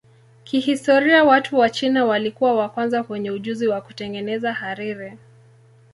Kihistoria watu wa China walikuwa wa kwanza wenye ujuzi wa kutengeneza hariri.